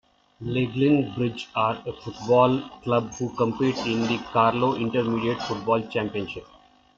Leighlinbridge are a football club who compete in the Carlow Intermediate Football Championship.